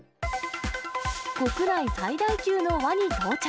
国内最大級のワニ到着。